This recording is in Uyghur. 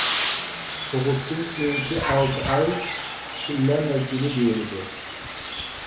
تۇغۇتتىن كېيىنكى ئالتە ئاي چىللە مەزگىلى دېيىلىدۇ.